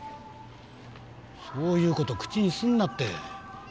そういう事を口にするなって。